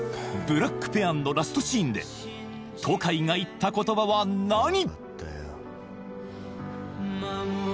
「ブラックペアン」のラストシーンで渡海が言った言葉は何？